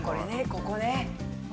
ここね」